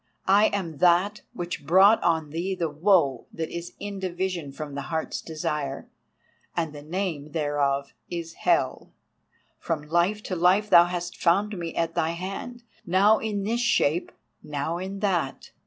I am that which brought on thee the woe that is in division from the Heart's Desire, and the name thereof is Hell. From Life to Life thou hast found me at thy hand, now in this shape, now in that.